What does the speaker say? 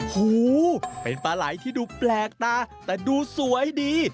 หูเป็นปลาไหล่ที่ดูแปลกตาแต่ดูสวยดี